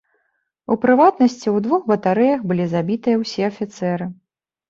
У прыватнасці, у двух батарэях былі забітыя ўсе афіцэры.